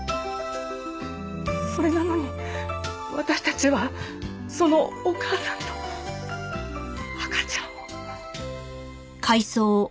それなのに私たちはそのお母さんと赤ちゃんを。